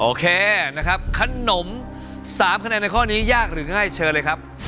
โอเคนะครับขนม๓คะแนนในข้อนี้ยากหรือไม่เชิญเลยครับ